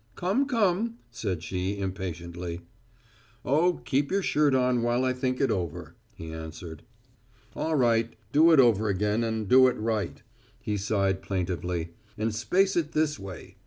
"Come, come," said she, impatiently. "Oh, keep your shirt on while I think it over," he answered. "All right, do it over again and do it right," he sighed plaintively, "and space it this way.